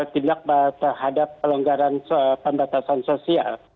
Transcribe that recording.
tindak terhadap pelonggaran pembatasan sosial